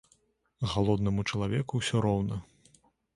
Галоднаму чалавеку ўсё роўна.